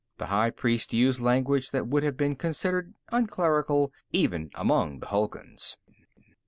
The high priest used language that would have been considered unclerical even among the Hulguns.